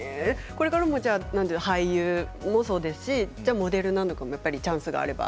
これからも俳優もそうですしモデルもチャンスがあれば。